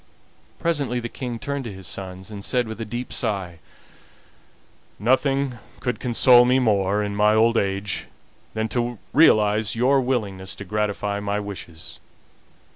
Presently the King turned to his sons, and said, with a deep sigh: "Nothing could console me more in my old age than to realize your willingness to gratify my wishes.